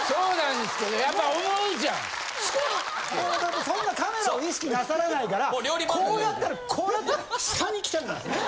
もうそんなカメラを意識なさらないからこうやったらこうなって下に来たんですね。